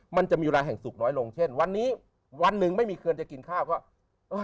มันจะมีเวลาแห่งสุขน้อยลงเช่นวันนี้วันหนึ่งไม่มีคืนจะกินข้าวก็เออ